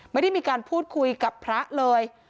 ไม่ได้มีการพูดคุยกับพระเลย